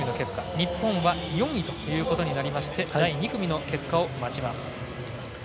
日本は４位ということになりまして第２組の結果を待ちます。